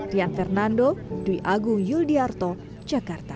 rian fernando dwi agung yul diarto jakarta